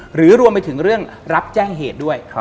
หรือรวมไปถึงเรื่องรับแจ้งเหตุด้วย